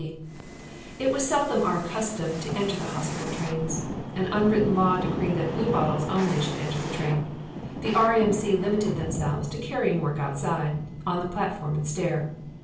C. It was seldom our custom to enter the hospital trains. An unwritten law decreed that Bluebottles only should enter the train: the R.A.M.C. limited themselves to carrying work outside, on the platform and stair.